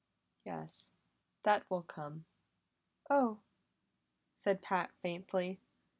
Yes, that will come!" "Oh!" said Pat faintly.